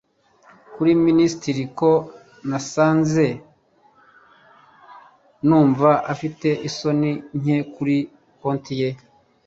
kuri minisitiri ko nasanze numva mfite isoni nke kuri konti ye